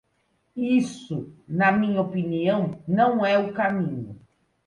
Isso, na minha opinião, não é o caminho.